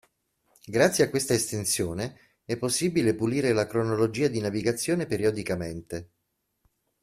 Grazie a questa estensione è possibile pulire la cronologia di navigazione periodicamente.